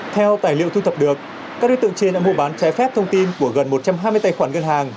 theo tài liệu thu thập được các đối tượng trên đã mua bán trái phép thông tin của gần một trăm hai mươi tài khoản ngân hàng